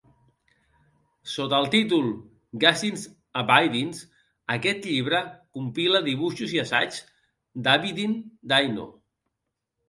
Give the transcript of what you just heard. Sota el títol "Guzin's Abidins", aquest llibre compila dibuixos i assaigs d'Abidin Dino.